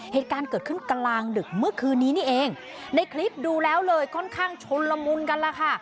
เหตุการณ์เกิดขึ้นกลางดึกเมื่อคืนนี้นี่เองในคลิปดูแล้วเลยค่อนข้างชนละมุนกันล่ะค่ะ